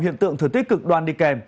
hiện tượng thời tiết cực đoan đi kèm